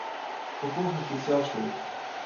په پوهه کې سيال شو.